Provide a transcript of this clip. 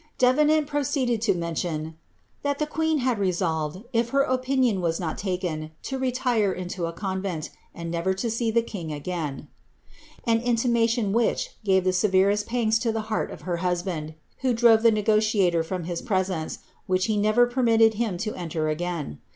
Daiv nant proceeded to mention ^ that tlie quern had resolved, if her opiidoa was not taken, to retire into a convent, and never to see the kinff again,* an intimation which gave the severest pangs to the heart of ner hat band, who drove the negotiator from his presence, which he never pe^ mitted him to enter again.